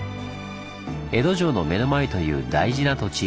江戸城の目の前という大事な土地。